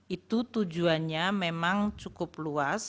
itu tujuannya memang cukup luas